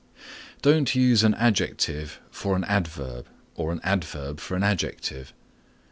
(7) Don't use an adjective for an adverb or an adverb for an adjective.